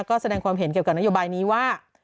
ก็แสดงความเห็นเกี่ยวกับนโยบายนี้ว่า